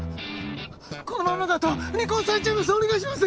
このままだと離婚されちゃいます！